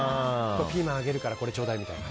ピーマンあげるからこれちょうだいみたいな。